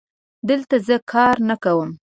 دلته زه کار نه کوم